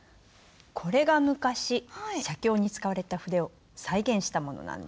これが昔写経に使われた筆を再現したものなんです。